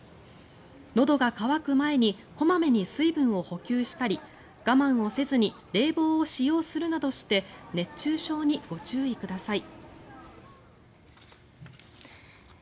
のどが渇く前に小まめに水分を補給したり我慢をせずに冷房を使用するなどして熱中症にご注意ください。